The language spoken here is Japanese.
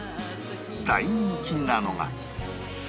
大人気なのが